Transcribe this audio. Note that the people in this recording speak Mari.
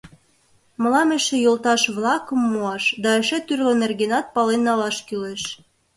Мылам эше йолташ-влакым муаш да эше тӱрлӧ нергенат пален налаш кӱлеш.